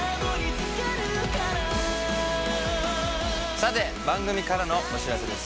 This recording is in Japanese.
さて番組からのお知らせです。